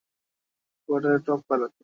Sir, এরাই আমাদের এই কোয়ার্টার এর টপ পাইলট।